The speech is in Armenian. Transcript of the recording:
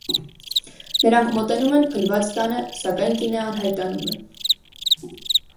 Նրանք մոտենում են փլված տանը, սակայն կինը անհայտանում է։